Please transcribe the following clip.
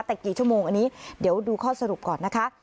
แต่กี่ชั่วโมงอันนี้เดี๋ยวดูข้อสรุปก่อนนะคะ